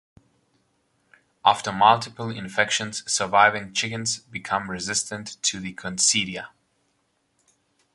After multiple infections, surviving chickens become resistant to the coccidia.